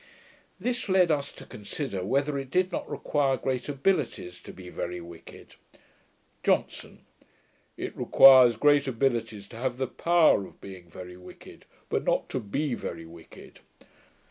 This led us to consider whether it did not require great abilities to be very wicked. JOHNSON. 'It requires great abilities to have the POWER of being very wicked; but not to BE very wicked.